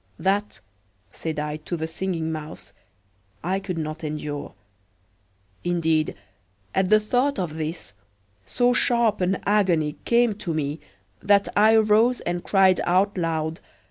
That," said I to the Singing Mouse, "I could not endure." Indeed, at the thought of this, so sharp an agony came to me that I arose and cried out loud.